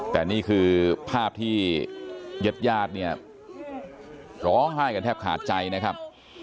แต่นี่คือภาพที่ญาติญาติเนี่ยร้องไห้กันแทบขาดใจนะครับ